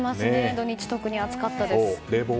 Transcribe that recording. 土日特に暑かったです。